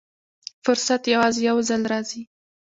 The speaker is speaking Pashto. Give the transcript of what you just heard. فرصت یوازې یو ځل راځي.